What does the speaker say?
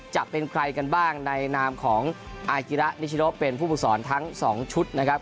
จะเป็นใครกันบ้างในนามของอากิระนิชโนเป็นผู้ฝึกสอนทั้ง๒ชุดนะครับ